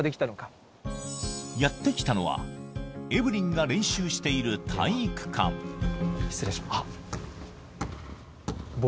やって来たのはエブリンが練習している失礼しますあっ！